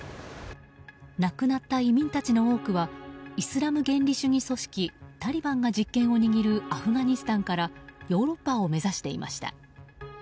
亡くなった移民たちの多くはイスラム原理主義組織タリバンが実権を握るアフガニスタンからヨーロッパを目指していました。